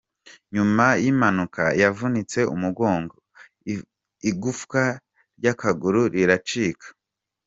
Nyuma y'impanuka yavunitse umugongo, igufwa ry'akaguru riracika.